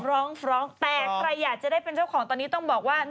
ร้องร้องแต่ใครอยากจะได้เป็นเจ้าของตอนนี้ต้องบอกว่า